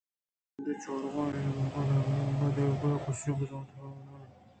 آئی ءِترٛندیں چارگ آئی ءِ منّگ ءُنہ منّگ دگہ کس ءَ گوں زانگ ءُپہمگ نہ بنت